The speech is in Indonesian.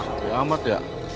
sepi amat ya